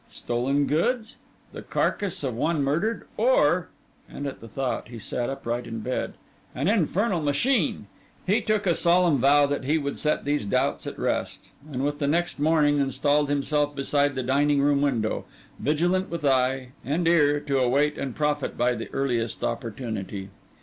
Stolen goods? the carcase of one murdered? or—and at the thought he sat upright in bed—an infernal machine? He took a solemn vow that he would set these doubts at rest; and with the next morning, installed himself beside the dining room window, vigilant with eye; and ear, to await and profit by the earliest opportunity.